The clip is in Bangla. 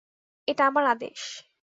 এটা আমার আদেশ!